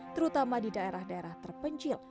terutama di daerah daerah terpencil